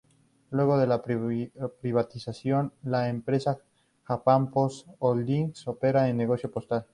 Luego de la privatización, la empresa Japan Post Holdings opera el negocio postal.